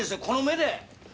この目で！